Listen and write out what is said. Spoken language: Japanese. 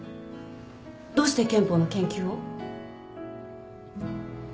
どうして憲法の研究を？